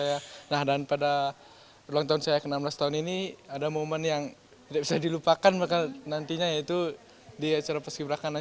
inilah dia tampilan baru para calon anggota paski braka